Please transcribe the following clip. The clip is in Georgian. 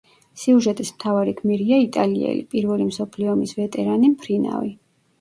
სიუჟეტის მთავარი გმირია იტალიელი, პირველი მსოფლიო ომის ვეტერანი, მფრინავი.